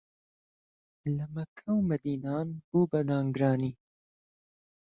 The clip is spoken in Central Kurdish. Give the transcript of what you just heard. لەمەککە و مەدینان بوو بە نان گرانی